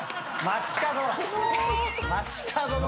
街角！